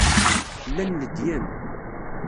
Llan ledyen.